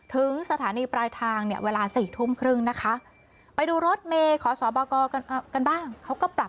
ถึงสถานีปรายทางเนี่ยเวลา๔๓๐นะคะ